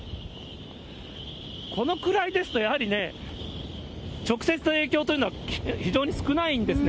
このくらいですと、やはりね、直接の影響というのは非常に少ないんですね。